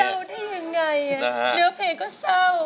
จะเป็นเศร้าที่ยังไงเนื้อเพลงก็เศร้า